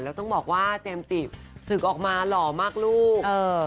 แล้วต้องบอกว่าเจมส์จิศึกออกมาหล่อมากลูก